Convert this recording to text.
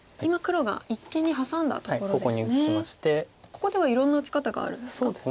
ここではいろんな打ち方があるんですか？